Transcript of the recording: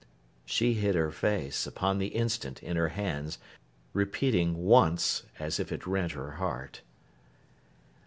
She hid her face, upon the instant, in her hands, repeating 'Once!' as if it rent her heart.